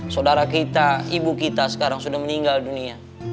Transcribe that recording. saudara kita ibu kita sekarang sudah meninggal dunia